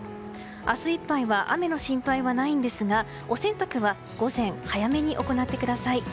明日いっぱいは雨の心配はないんですがお洗濯は午前、早めに行ってください。